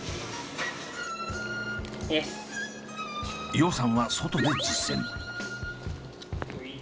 葉さんは外で実践。